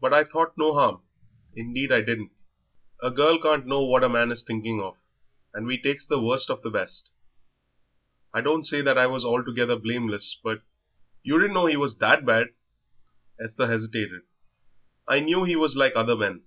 But I thought no harm, indeed I didn't." "A girl can't know what a man is thinking of, and we takes the worst for the best." "I don't say that I was altogether blameless but " "You didn't know he was that bad." Esther hesitated. "I knew he was like other men.